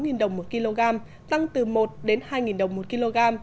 giá sáu đồng một kg tăng từ một đến hai đồng một kg